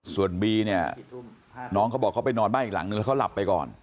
ส่วนบีเนี่ยน้องเขาบอกเขาไปนอนบ้านอีกหลังนึงแล้วเขาหลับไปก่อน